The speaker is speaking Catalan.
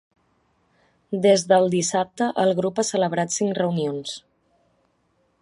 Des del dissabte, el grup ha celebrat cinc reunions.